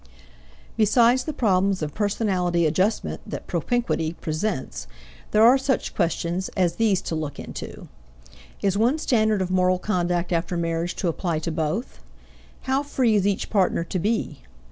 Besides the problems of personality adjustment that propinquity presents, there are such questions as these to look into: Is one standard of moral conduct after marriage to apply to both? How free is each partner to be?